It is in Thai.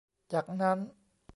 จากนั้น